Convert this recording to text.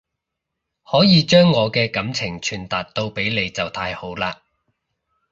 可以將我嘅感情傳達到俾你就太好喇